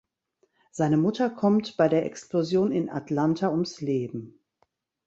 Seine Mutter kommt bei der Explosion in Atlanta ums Leben.